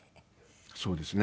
そうですね。